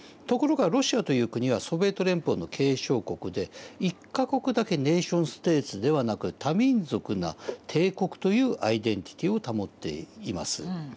ところがロシアという国はソビエト連邦の継承国で１か国だけネーションステートではなく多民族な帝国というアイデンティティーを保っています。